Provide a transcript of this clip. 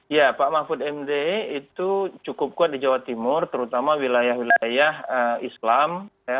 ya pak mahfud md itu cukup kuat di jawa timur terutama wilayah wilayah islam